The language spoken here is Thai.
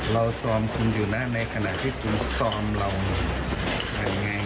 เราซอมคุณอยู่นะในขณะที่คุณซอมเรามันยังไง